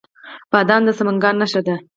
بادام د سمنګان نښه ده.